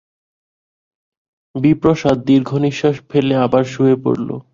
বিপ্রদাস দীর্ঘনিশ্বাস ফেলে আবার শুয়ে পড়ল।